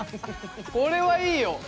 これはいいよ。